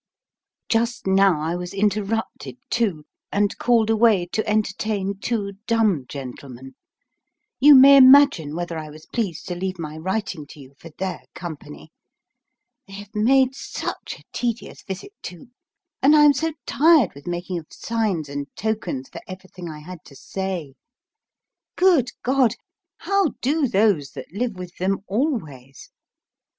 Just now I was interrupted, too, and called away to entertain two dumb gentlemen; you may imagine whether I was pleased to leave my writing to you for their company; they have made such a tedious visit, too; and I am so tired with making of signs and tokens for everything I had to say. Good God! how do those that live with them always?